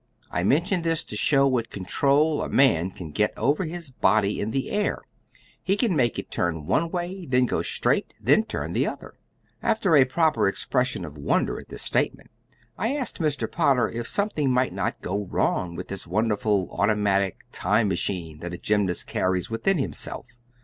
I mention this to show what control a man can get over his body in the air. He can make it turn one way, then go straight, and then turn the other way." After proper expression of wonder at this statement, I asked Mr. Potter if something might not go wrong with this wonderful automatic time machine that a gymnast carries within himself.